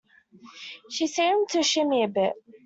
She seemed to shimmy a bit.